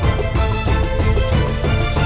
aku sangat jauh dari istana